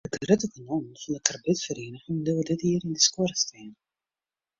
De grutte kanonnen fan de karbidferiening bliuwe dit jier yn de skuorre stean.